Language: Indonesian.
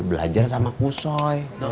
belajar sama kusoi